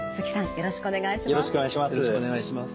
よろしくお願いします。